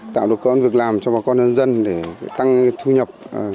tạo được công an việc làm cho bà con nhân dân để tăng thu nhập